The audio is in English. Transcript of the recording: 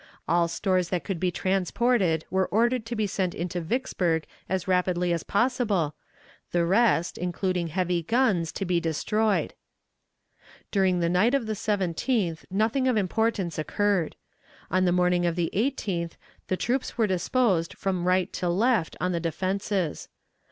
All stores that could be transported were ordered to be sent into Vicksburg as rapidly as possible, the rest, including heavy guns, to be destroyed. During the night of the 17th nothing of importance occurred. On the morning of the 18th the troops were disposed from right to left on the defenses.